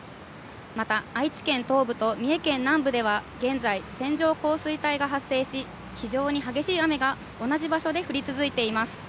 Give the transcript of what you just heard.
また愛知県東部と三重県南部では、現在、線状降水帯が発生し、非常に激しい雨が同じ場所で降り続いています。